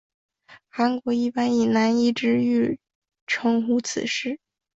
韩国一般以南怡之狱称呼此事。